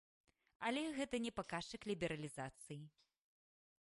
Але гэта не паказчык лібералізацыі.